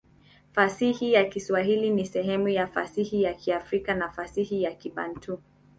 Fasihi ya Kiswahili ni sehemu ya fasihi ya Kiafrika na fasihi ya Kibantu.